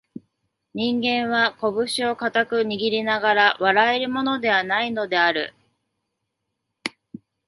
人間は、こぶしを固く握りながら笑えるものでは無いのである